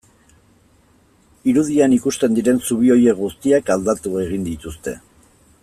Irudian ikusten diren zubi horiek guztiak aldatu egin dituzte.